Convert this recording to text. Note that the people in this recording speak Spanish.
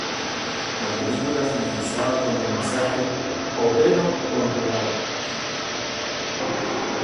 La película finalizaba con el mensaje: "¡Obrero o empleado!